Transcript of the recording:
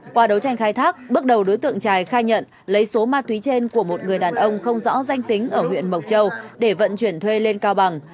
qua đấu tranh khai thác bước đầu đối tượng trài khai nhận lấy số ma túy trên của một người đàn ông không rõ danh tính ở huyện mộc châu để vận chuyển thuê lên cao bằng